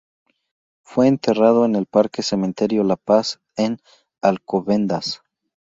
Fue enterrado en el Parque-Cementerio de La Paz, en Alcobendas.